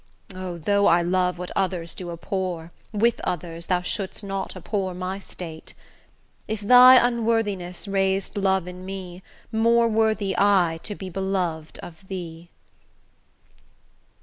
O! though I love what others do abhor, With others thou shouldst not abhor my state: If thy unworthiness rais'd love in me, More worthy I to be belov'd of thee.